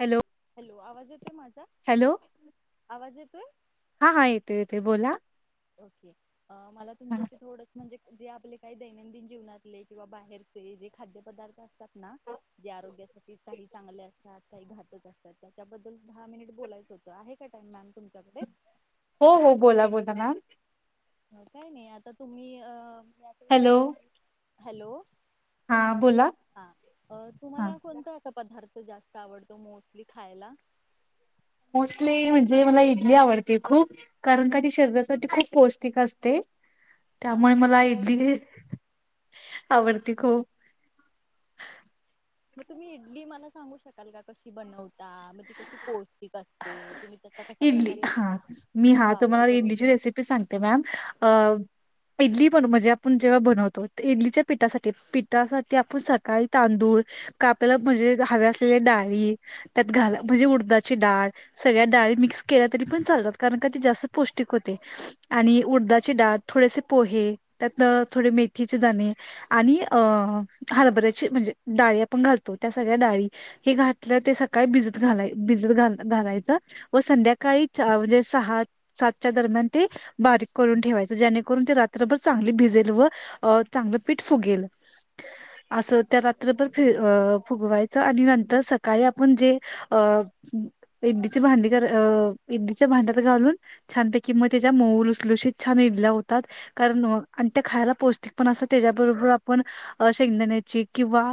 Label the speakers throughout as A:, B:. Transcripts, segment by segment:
A: Hello
B: hello आवाज येतोय माझा
A: हॅलो
B: आवाज येत हम
A: हा हा येतो येतो बोला.
B: [unintelligible] मला तुमच्याशी थोडं म्हणजे जे आपले काही दैनंदिन जीवनातले किंवा बाहेरचे जे खाद्यपदार्थ ना जे आरोग्यासाठी काही चांगले अस काही घातच असतात त्याच्याबद्दल दहा मिनिट बोलायचं होतं. आहे का टाइम मॅम? तुमच्याकडे
A: हो हो बोला बोला मॅम
B: काय नाही आता तुम्ही अ काय तरी
A: हॅलो
B: विचारा की हॅलो
A: हा बोला
B: हा अ
A: हा
B: तुम्हाला कोणत अस पदार्थ जास्त आवडतो मोस्टली खायला.
A: मोस्टली म्हणजे मला इडली आवडते खूप कारण का ती शरीरासाठी खूप पौष्टिक असते.
B: हा
A: त्यामुळे
B: हा.
A: मला इडली आवडती खूप
B: मग तुम्ही इडली मला सांगू शकाल का? कशी बनव तुम्ही त्याचा कशा
A: इडली
B: प्रकारे
A: हा मी हा
B: वापर
A: तुम्हाला
B: करून
A: इडलीची
B: घेतात
A: रेसिपी सांगते मॅम. इडली पण म्हणजे आपण जेव्हा बनवतो इडलीच्या पिठासाठी, पिठासाठी आपण सकाळी तांदूळ का आपल्याला म्हणजे हव्या असलेल्या डाळी त्यात घाल म्हणजे उडदाची डाळ सगळ्या डाळी मिक्स केल्या तरी पण चालतात कारण का ते जास्त पौष्टिक होते आणि उडदाची डाळ थोडेसे पोहे त्यातन थोडे मेथीचे दाणे आणि अ हरभऱ्याची म्हणजे डाळी आपण घालतो त्या सगळ्या डाळी हे घातल्या ते सग काय भिजत घालाय भिजत घाल घालायचं व संध्याकाळी चा म्हणजे सहा, सातच्या दरम्यान ते बारीक करून ठेवायच जेणेकरून ते रात्रभर चांगली भिजेल व चांगलं पीठ फुगेल. असं त्या रात्रभर फ अ फुगवायचं आणि नंतर सकाळी आ आपण जे अ इडली ची भांडी कर इडली च्या भांड्यात घालून छानपैकी मग त्याच्या मऊ लुसलुशीत छान इडल्या होतात कारण आणि त्या खायला पौष्टिक पण असतात त्याच्याबरोबर आपण अ शेंगदाण्याची किंवा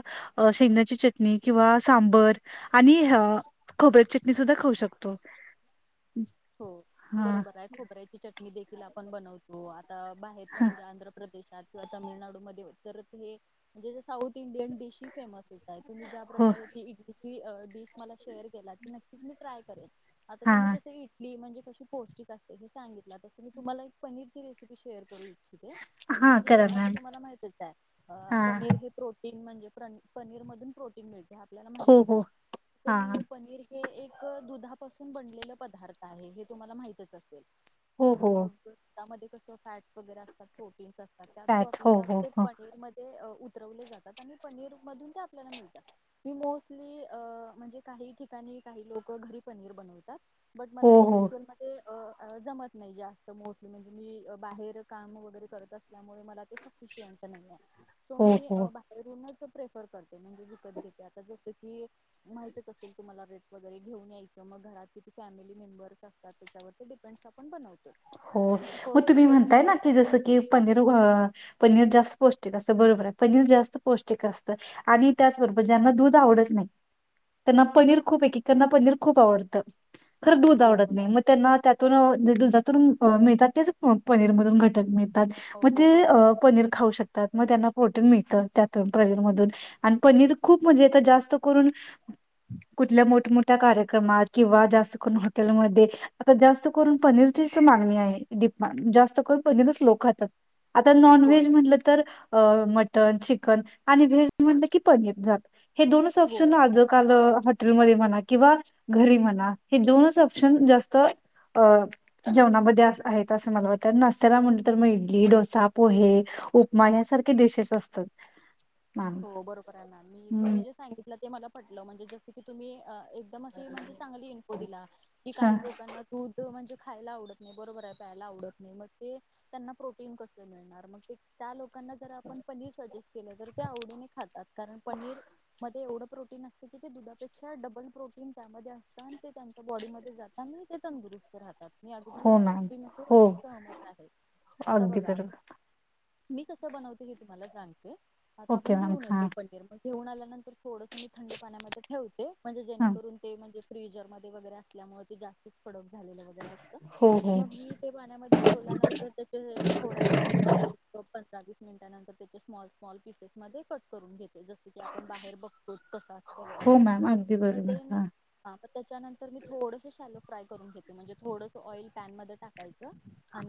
A: शेंगदाण्याची चटणी किंवा सांबर आणि ह खोबऱ्याची चटणी सुद्धा खाऊ शकतो.
B: हो
A: हा
B: बरोबर आहे खोबऱ्याची चटणी देखील आप पण बनवतो आ त बाहेरच म्हणजे आंध्र प्रदेशात किंवा तामिळनाडूमध्ये तर हे म्हणजे साऊथ इंडियन डिश ही फेमस करताय तुम्ही ज्या
A: हो
B: प्रकारे ती इडली ही डीप मला शेअर केला नक्कीच मी ट्राय खरए आता
A: हा
B: तुम्ही जसं इड म्हणजे कशी पौष्टिक असते हे सांगितला तस मी तुम्हाला एक पनीरची रेसि शेअर करू इच्छिते
A: हा
B: म्हणजे
A: करा
B: आता
A: मॅम
B: तुम्हाला माहितच आहे अं
A: हा
B: पनीर हे प्रोटि म्हणजे प्रनी पनीर मधून प्रोटीन मिळते. आपल्याला
A: हो
B: माहितीच
A: हो
B: आहे
A: हा
B: कली पनीर हे एक दुधापासून बनलेलं पदा थ आहे हे तुम्हाला माहितच असेल.
A: हो हो
B: मग त्यामध्ये कस किंवा फॅट वगैरे असतात प्रो टिन्स असतात त्या थ्रू
A: फॅट. हो
B: आपल्याला
A: हो
B: ते
A: हो
B: पनीर मधे अ ऊ उतरवले जातात आणि पनीर मधून ते आपल्याला मिळतात मी मोस्टली अ म्हणजे काही ठिकाणी काही लोकं घरी पनीर बनवतात. बट मला
A: हो
B: ते
A: हो
B: ऍक्च्युअल मध्ये अ अ जमत नाही ये असं मोस्टली म्हणजे मी अ बाहेर काम वगैरे करत असल्यामुळे मला ते सफिशियंट नाही आहे. सो मी
A: हो, हो.
B: बाहेरूनच प्रेफर करते म्हणजे विकत घेते आता जसं की माहितच असेल तुम्हाला रेट वगैरे घेऊन यायचं मग घरात किती फॅमिली मेंबर्स असतात त्याच्यावर ते डिपेंडस् आपण बनवतो.
A: हो
B: आता
A: मग
B: फर्स्टली
A: तुम्ही
B: तर मग
A: म्हणताय ना
B: मी
A: की जसं की पनीरव पनीर जास्त पौष्टिक असत बरोबर आहे पनीर जास्त पौष्टिक असतं आणि त्याचबरोबर ज्यांना दूध आवडत नाही. त्यांना
B: हा
A: पनीर खूप एकेकांना पनीर खूप आवडतं. खर दूध
B: हो
A: आवडत
B: बरोबर
A: नाही मग त्यांना त्यातून अ जे वरून मिळतात तेच पनीर मधून घटक मिळतात. मग
B: हो हो
A: ते
B: बरोबर आहे
A: पनीर खाऊ शकतात मग त्यांना प्रोटिन मिळतात. तर त्यातून पनीर मधून आणि पनीर खूप म्हणजे आता जास्त करून कुठल्या मोठमोठ्या कार्यक्रमात किंवा जास्त करून हॉटेलमध्ये आता जास्त करून पनीर चीच मागणी आहे दिपा जास्त करून पनीरच लोक खातात. आता
B: होय
A: नॉनव्हेज म्हटलं तर अ मटन चिकन आणि व्हेज म्हणलं कि पनीर झालं. हे दोनच ऑप्शन
B: होय
A: आज काल हाय हॉटेलमध्ये म्हणा किंवा घरी म्हणा हे दोनच ऑप्शन जास्त अ जेवणामध्ये आहेत असं मला वाटतं आणि नाश्त्याला म्हटलं तर म इडली डोसा पोहे उपमा यासारखे डिशेस असतात. मॅम.
B: हो बरोबर आहे मॅम मी
A: हम्म.
B: तुम्ही जे सांगितलं ते मला पटलं म्हणजे जस की तुम्ही अ एकदम अशी म्हणजे चांगली इन्फो दिला की
A: हा
B: काही लोकांना दूध म्हणजे खायला आवडत नाही बरोबर प्यायला आवडत नाही मग ते त्यांना प्रोटीन कस मिळणार मग ते त्या लोक लोकाना जर आपण पनीर सजेस्ट केलं तर, तेनी खातात कारण पनीर मध्ये एवढ प्रोटीन असत की ते दुधापेक्षा डबल प्रोटीन त्यामध्ये असत आणि ते त्यांच्या बॉडीमध्ये जात आणि ते तंदुरुस्त राहतात मी अगदी
A: हो
B: या
A: मॅम
B: टीम मध्ये
A: हो
B: सहमत आहे आता
A: अगदी
B: बघा
A: बरोबर.
B: मी कसं बनवते हे तुम्हाला सांगते. आता
A: ओके
B: आपण
A: मॅम
B: घेऊन
A: हा
B: येतो पनीर मग घेऊन आल्यानंतर थोडस मी थंड पाण्यामध्ये ठेवते म्हणजे
A: हा
B: जेणेकरून ते म्हणजे अ फ्रीजरमध्ये वगैरे असल्यामुळे ते जास्त कडक झालेलं वगैरे असत
A: हो हो
B: मग मी ते पाण्यामध्ये ठेवल्यानंतर त्याच्या थोड्या वेळानंतर एक पंधरा वीस मिनिटानंतर त्याचे स्मॉल स्मॉल पीसेस मध्ये कट करून घेते. जस की आपण बाहेर बघतो कस असत
A: हो
B: वगैरे
A: मॅम अगदी
B: मग ते
A: बरोबर हा
B: न आ त्याच्यानंतर मी थोडस शालो फ्राय करून घेते म्हणजे थोडंस ऑइल पॅनमध्ये टाकायंच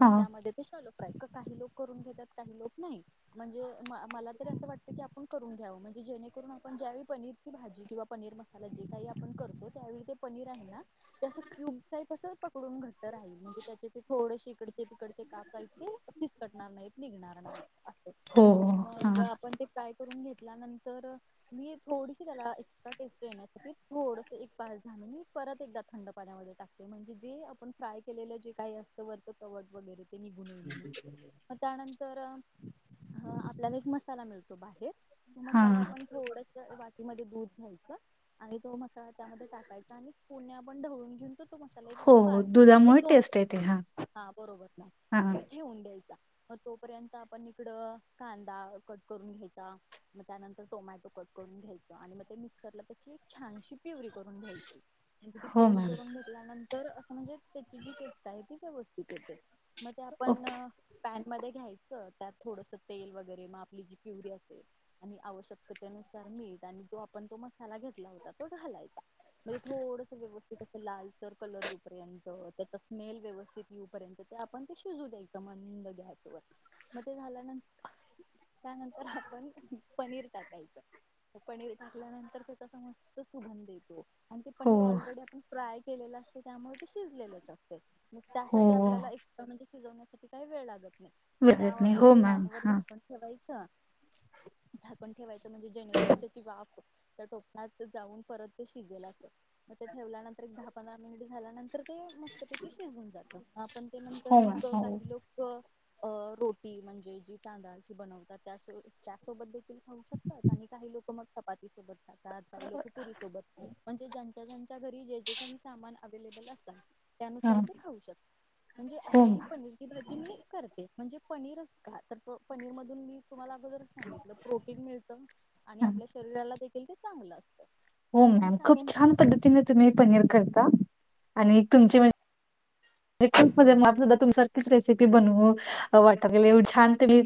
A: हा
B: त्यामध्ये ते शॅलो कस काही लोक करून घेतात काही लोक नाही म्हणजे अ मला तरी असं वाटतं की आपण करून घ्याव म्हणजे जेणेकरून आपण ज्यावेळी पनीरची भाजी किंवा पनीर मसाला जे काही आपण करतो त्यावेळी ते पनीर आहे ना ते असं क्यूब टाईप असतं प पुढून घट राहील म्हणजे त्याचे असे थोडेशे इकडे तीकडचे कापायचे ते फिसकटणार नाहीत निघणार नाहीत अस
A: हो हो हा
B: मग आपण ते फ्राय क करून घेतल्यानंतर मी थोडीशी त्याला एक्स्ट्रा टेस्ट ये ण्यासाठी थोडस एक पाच दहा मिनिट परत एकदा थंड पाण्यामध्ये टाकते म्हणजे जे आपण फ्राय केलेलं जे काही असत वरच कवच वगैरे [unintelligible] तर ह आत आपल्याला एक मसाला मिळतो बाहेर
A: हा
B: मसाला आपण थोडस वाट मध्ये दूध घ्यायच आणि तो मसा त्यामध्ये टाकायचा आणि पुण्या ढवळून घेऊन तो तो मसाला एक
A: हो
B: पाच किंवा एक
A: दुधामुळे
B: दोन
A: टेस्ट येते हा
B: हा बरोबर ना
A: हा
B: मग ठेवून द्यायचा मग तोपर्यंत आपण इकडं कांदा कट करून घ्यायचा मग त्यानंतर टोमॅटो कट करून घ्यायचा आणि मग ते मिक्सरला त्याची एक छानशी प्युरी करून घ्यायची म ती
A: हो
B: प्युरी
A: मॅम
B: करून घेतल्यानं तर असं म्हणजे त्याची जी पेस्ट आहे ती व्यवस्थित येते. म ते आपण
A: ओके
B: पॅन मध्ये ते घ्यायचं त्यात थोडस तेल वगैरे मग आपली जी प्युरी असेल आणि आवश्यकतेनुसार मीठ आणि जो आपण तो मसाला घेतला होता तो घालायचा म्हणजे थोडस व्यव स्थित अस लालसर कलर येऊपर्यंत त्याचा स्मेल व्यवस्थित येऊपर्यंत ते आपण ते शिजू द्यायचं मंद गॅस वर मग ते झाल्यानं त्यानंतर आपण पनीर टाकायचं पनीर टाकल्यानंतर त्याचा अस मस्त सुगंध येतो. आणि ते
A: हो
B: पनीर ऑलरेडी आपण फ्राय य केलेल असतय त्यामुळं ते शिजलेलचं असतय. मग
A: हो
B: त्यासाठी आपल्याला एक त म्हणजे शिजवण्यासाठी काही वेळ लागत नाही.
A: लागत नाही हो मॅम
B: वर
A: हा
B: झाकण ठेवाय च झाकण ठेवायचं म्हणजे जेणेकरून त्याची वाफ त्या टोपवात जाऊन परत ते शिजेल अस मग ते ठेवल्यानंतर एक दहा पंधरा मिनिट झाल्यानंतर ते मस्तपैकी शिजून जात हा पण ते नंतर
A: हो मॅम
B: मग
A: हो
B: काही लोकं अ रोटी म्हणजे जी तांदळाची बनवतात त्यासोब त्यासोबत देखील खाऊ शकतात आणि काही लोकं मग चपातीसोबत खाता त काही लोकं पुरी सोबत म्हणजे ज्यांन ज्यांच्या ज्यांच्या घरी जे जे काही सामान अवेलेबल असतात.
A: हा
B: त्यानुसार ते खाऊ शकते म्हणजे
A: हो
B: अशी ही पनीरची भाजी मी करते. म्हणजे पनीरच का तर प पनीर मधून मी तुम्हाला अगोदरच सांगितलं प्रोटीन मिळत आणि
A: मॅम
B: आपल्या शरीराला दे ते देखील चांगलं असतं
A: हो
B: म्हणून मी
A: मॅम खूप
B: सांगेन
A: छान
B: की
A: पद्धतीने तुम्ही पनीर करता आणि तुमचे म्हणज खूप म्हजे मला तुमच्या सारखीच रेसिपी बनवु वाटयल्या छान तुम्ही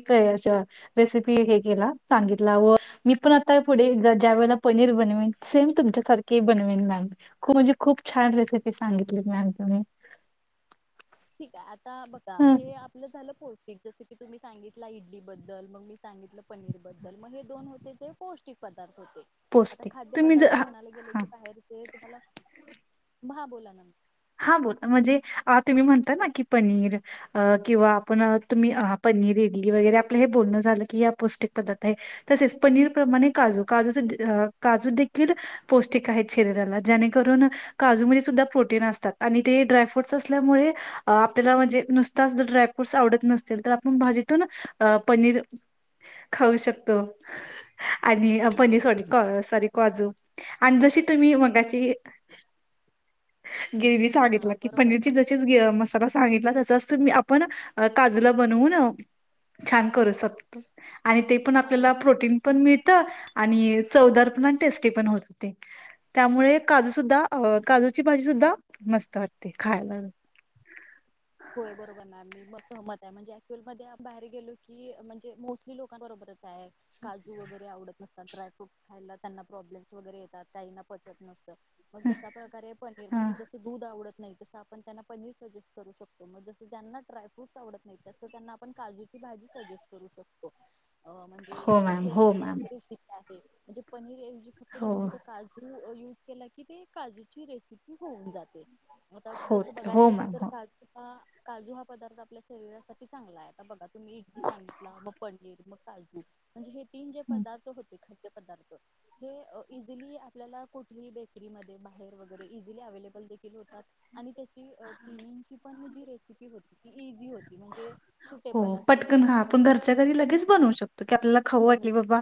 A: रेसिपी हे केला सांगितला व मी पण आता पुढे ज्या वेळेला पनीर बनवेन सेम तुमच्यासारखे बनवेन मॅम खूप म्हणजे खूप छान रेसिपी सांगितली मॅम तुम्ही
B: ठीक आहे आ ता बघा
A: ह
B: हे आपलं झालं होय एक जसे की तुम्ही सांगितला इडलीबद्दल मग मी सांगितलं पनीरबद्दल मग हे दोन होते ते पौष्टिक पदार्थ अ हं आता
A: पोचते
B: खाद्य
A: तुम्ही जर
B: पदार्थ म्हणायला गेले
A: हा
B: की बाहेरचे तुम्हाला महा बोला ना
A: हा ब म्हणजे तुम्ही म्हणता ना कि पनीर किंवा आपण तुम्ही पनीर इडली वगैरे आपलं हे बोलणं झालं की ह पौष्टिक पदार्थ आहे तसेच पनीर प्रमाणे काजू काजूचे काजू देखील पौष्टिक आहेत शरीराला जेणेकरून काजूमध्ये सुद्धा प्रोटीन अस आणि ते ड्राय फ्रूट असल्यामुळे आपल्याला म्हणजे नुसताच ड्राय फ्रूटस आवडत नसतील तर आपण भाजीतून पनीर खाऊ शकतो आणि पनीर सॉरी सॉरी काजू आणि जशी तुम्ही मगाची ग्रेवही
B: हा
A: सांगितला की
B: बरोबर
A: पनीर
B: आहे
A: जशीच मसाला सांगितला आपण काजूला बनून छान करू शकतो. आणि ते पण
B: हा मग
A: आपल्याला प्रोटीन पण मिळत आणि चवदार टेस्टी पण होत हो त्यामुळे काजू सुद्धा काजूची भाजी सुद्धा मस्त वाटते खायला
B: होय बरोबरणार मी म सहमत आहे म्हणजे क्च्युअल मध्ये बाहेर गेलो की म्हणजे मोठी लोकांबरोबर काजू वगैरे आवडत न ड्रायफ्रूट खायला त्यांना प्रॉब्लेम्स वगैरे येतात काहीना पचत नसत मग जशा प्रकारे पनीर
A: हा
B: म्हणजे जस दूध आवडत नाही तस आपण त्यांना पनीर सजेस्ट करू शकतो मग जसं त्यांना ड्राय फ्रूट आवडत नाही तसं त्यांना आपण काजूची भाजी सजेस्ट करू शकतो. अ म्हणजे
A: हो
B: जसं
A: मॅम
B: सेम
A: हो मॅम
B: रेसिपी आहे. म्हणजे पनीर
A: हो
B: युझ केला की ते काजूची रेसिपी होऊन जाते, आता
A: हो
B: जसं बघायला
A: हो
B: गेलं
A: मॅम
B: तर
A: हो.
B: काजू अ काजू हा पदार्थ आपल्या शरीरासाठी चांगला आहे आता बघा तुम्ही एकदा
A: खूप.
B: सांगितला मग पनीर मग काजू म्हणजे हे तीन जे पदार्थ होते घटक पदार्थ हे इझीली आपल्याला कुठेही बेकरी मध्ये बाहेर वगैरे इझीली अव्हेलेबल होतात आणि त्याची तिन्ही म्हणजे
A: हो
B: सुटेबल
A: पटकन
B: असं
A: हा
B: काही
A: आपण
B: त्यात
A: घरच्या घरी लगेच
B: हा
A: बनवू शकतो की आपल्याला खाऊ
B: बनू
A: वाटली
B: शकतो
A: बाबा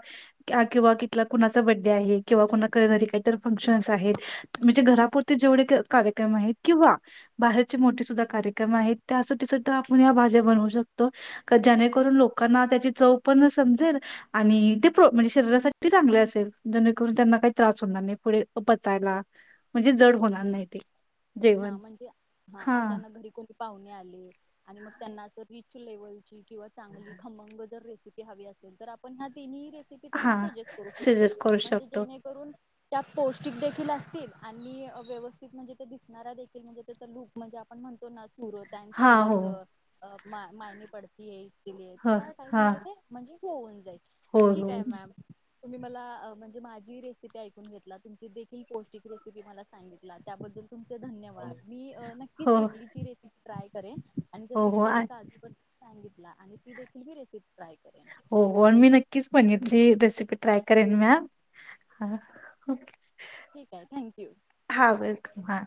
A: किंवा कितला कुणाचा बर्थडे आहे किंवा घरी काहीत फंक्शन् आहेत कुणाच्या घरापुरती जेवढे कार्यक्रम आहेत. किंवा बाहेरचे मोठे सुद्धा कार्यक्रम आहेत त्यासाठी सुद्धा आपण या भाज्या बनवू शकतो का ज्याणेकरून लोकांना त्याची चव पण समजेल आणि ते प्र म्हणजे शरीरासाठी चांगल असेल जेणेकरून त्यांना काही त्रास होणार नाही पुढे पचायला म्हणजे जड होणार नाही ते
B: हा
A: जेवण
B: म्हणजे हा अचानक घरी कोणी पाहूने आले. आणि मग त्यांना अस रिच लेवलची किंवा चांगली खमंग जर रे सिपी हवी असेल तर आपण ह्या तिन्ही रेसि पि
A: हा
B: त्यांना सजेस्ट करू शकतो
A: शिजत करू
B: म्हणजे
A: शकतो
B: जेणे करून त्या पौष्टिक देखील असतील आणि व्यवस्थित म्हणजे ते दिस नारा देखील म्हणजे त्याच लूक म्हणजे आपण म्हणतो ना सुरत अन्
A: हा
B: सिरत
A: हो
B: अप मा मायनी पडती हे दिले आहेत
A: ह
B: त्या टाईप
A: हा
B: मध्ये ते म्हणजे होऊन जाई
A: हो हो
B: ठीक आहे मॅम तुम्ही मला म्हणजे माझी रेसिपी ऐकून घेतला तुमची देखील पौष्टिक रेसिपी मला सांगितला त्याबद्दल तुमचे धन्यवाद मी अ नक्कीच
A: हो
B: इडलीची रेसिपी ट्राय करेन आणि जस
A: हो
B: की
A: हो आ
B: तुम्ही काजू पासू सांगितला आणि ती देखील मी रेसिपी ट्राय करेन
A: हो हो अन् मी नक्कीच पनीरची रेसिपी ट्राय करेन मॅम हा
B: ठीक आहे थँक्यू
A: हा बिलकुल हा